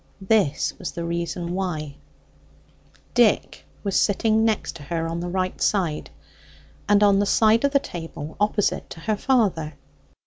This was the reason why: Dick was sitting next to her on the right side, and on the side of the table opposite to her father.